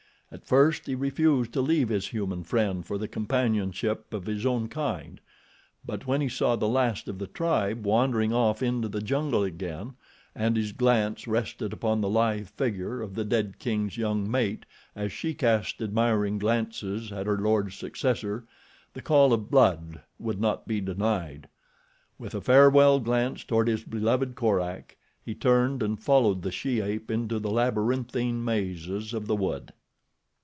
At first he refused to leave his human friend for the companionship of his own kind; but when he saw the last of the tribe wandering off into the jungle again and his glance rested upon the lithe figure of the dead king's young mate as she cast admiring glances at her lord's successor the call of blood would not be denied. With a farewell glance toward his beloved Korak he turned and followed the she ape into the labyrinthine mazes of the wood.